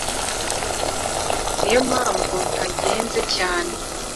Niyo mpamvu ntagenze cyane